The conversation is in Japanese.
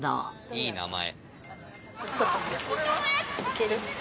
いい名前。